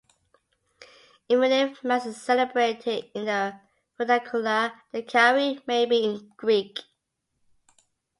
Even if Mass is celebrated in the vernacular, the "Kyrie" may be in Greek.